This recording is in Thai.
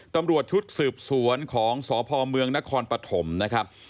ตำรวจชุดสืบสวนของสพเมืองนครปฐมนะครับ